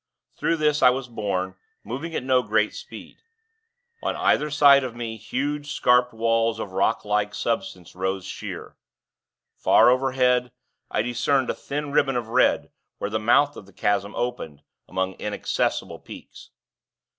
Through this, I was borne, moving at no great speed. On either side of me, huge, scarped walls of rocklike substance rose sheer. Far overhead, I discerned a thin ribbon of red, where the mouth of the chasm opened, among inaccessible peaks.